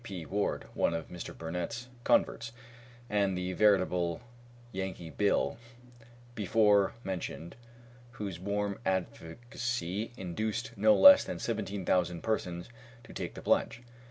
W. P. Ward, one of Mr. Burnett's converts, and the veritable "Yankee Bill," before mentioned, whose warm advocacy induced no less than seventeen thousand persons to take the pledge.